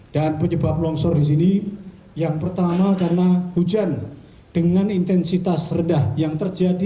dan penyebab longsor di sini yang pertama karena hujan dengan intensitas rendah yang terjadi